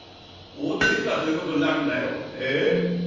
ボッとしてっからそういうことになるんだよ。